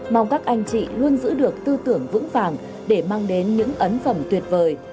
mong các anh chị luôn giữ được tư tưởng vững vàng để mang đến những ấn phẩm tuyệt vời